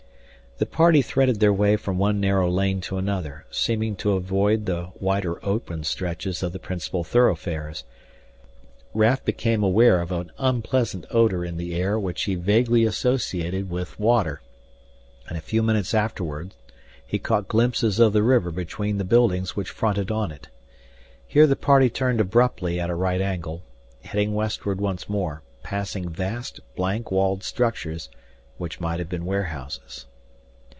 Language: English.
The party threaded their way from one narrow lane to another, seeming to avoid the wider open stretches of the principal thoroughfares, Raf became aware of an unpleasant odor in the air which he vaguely associated with water, and a few minutes afterward he caught glimpses of the river between the buildings which fronted on it. Here the party turned abruptly at a right angle, heading westward once more, passing vast, blank walled structures which might have been warehouses.